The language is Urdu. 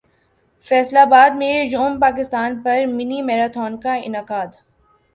فیصل ابادمیںیوم پاکستان پر منی میراتھن کا انعقاد